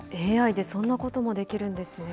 ＡＩでそんなこともできるんですね。